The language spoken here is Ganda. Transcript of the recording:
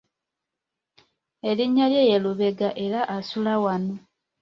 Erinnya lye ye Lubega era asula wano.